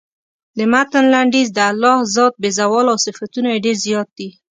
د متن لنډیز د الله ذات بې زواله او صفتونه یې ډېر زیات دي.